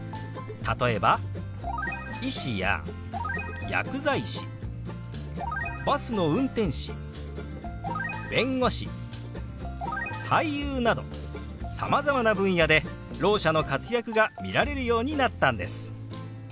例えば医師や薬剤師バスの運転士弁護士俳優などさまざまな分野でろう者の活躍が見られるようになったんです。